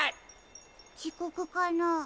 ちこくかな？